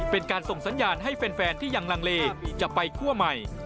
เป็นการส่งสัญญาณให้แฟนที่ยังลังเลจะไปคั่วใหม่